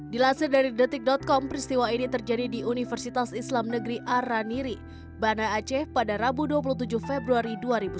dilansir dari detik com peristiwa ini terjadi di universitas islam negeri araniri bana aceh pada rabu dua puluh tujuh februari dua ribu sembilan belas